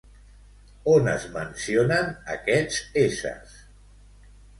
On es mencionen aquests éssers?